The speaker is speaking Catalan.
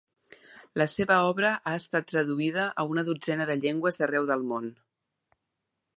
La seva obra ha estat traduïda a una dotzena de llengües d'arreu del món.